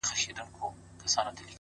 د تجربې ښوونه تل ژوره وي.!